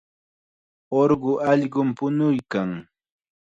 Urqu allqum puñuykan.